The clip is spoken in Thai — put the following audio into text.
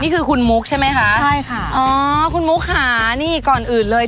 นี่คือคุณมุกใช่ไหมคะใช่ค่ะอ๋อคุณมุกค่ะนี่ก่อนอื่นเลย